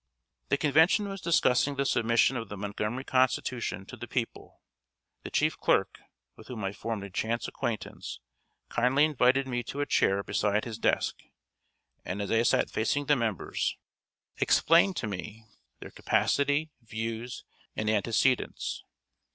] The Convention was discussing the submission of the Montgomery Constitution to the people. The chief clerk, with whom I formed a chance acquaintance, kindly invited me to a chair beside his desk, and as I sat facing the members, explained to me their capacity, views, and antecedents.